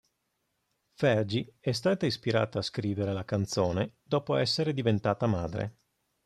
Fergie è stata ispirata a scrivere la canzone dopo essere diventata madre.